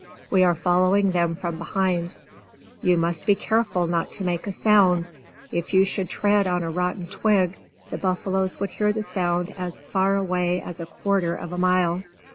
We are following them from behind. You must be careful not to make a sound. If you should tread on a rotten twig, the buffaloes would hear the sound as far away as a quarter of a mile.